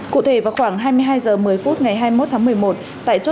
cụ thể vào khoảng hai mươi hai h một mươi phút ngày hai mươi một tháng một mươi một